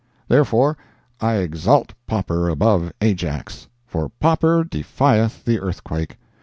Therefore, I exalt Popper above Ajax, for Popper defieth the earthquake.